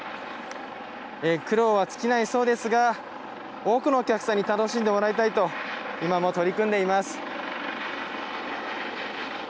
苦労はつきないそうですが多くのお客さんに楽しんでもらおうと今も取り組んでいます。